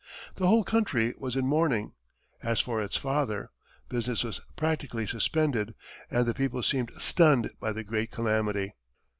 The whole country was in mourning, as for its father; business was practically suspended, and the people seemed stunned by the great calamity.